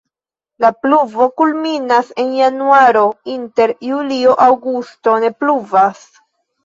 La pluvo kulminas en januaro, inter julio-aŭgusto ne pluvas.